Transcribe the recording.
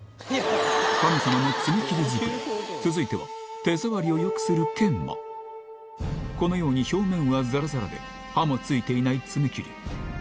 神様の爪切り作り続いてはこのように表面はザラザラで刃も付いていない爪切り